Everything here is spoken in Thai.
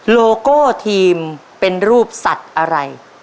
โลโก้ทีมเป็นรูปสัตว์อะไร